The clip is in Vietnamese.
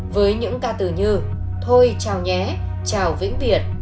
với những ca từ như thôi chào nhé chào vĩnh việt